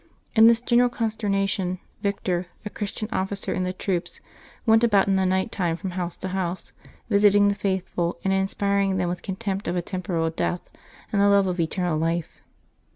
In this general consternation, Victor, a Christian officer in the troops, went about in the night time from house to house, visiting the faithful and inspiring them with contempt of a temporal death and the love of eternal life.